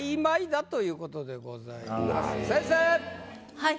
はい。